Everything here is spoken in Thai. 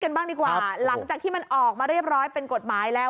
บ้างดีกว่าหลังจากที่มันออกมาเรียบร้อยเป็นกฎหมายแล้ว